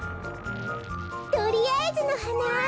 とりあえずのはな！